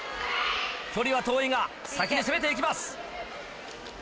距離は遠いが先に攻めて行きます。